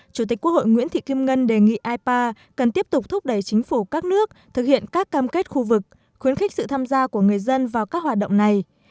chủ tịch quốc hội nguyễn thị kim ngân đề nghị ipa cần tiếp tục thúc đẩy chính phủ các nước thực hiện các cam kết khu vực khuyến khích sự tham gia của người dân vào các hoạt động này